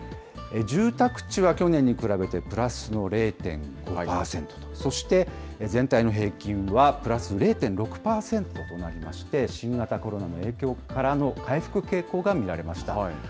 住宅地は去年に比べてプラスの０．５％、そして、全体の平均はプラス０．６％となりまして、新型コロナの影響からの回復傾向が見られました。